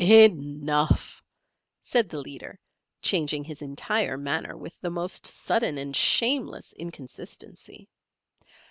"Enough," said the leader, changing his entire manner with the most sudden and shameless inconsistency.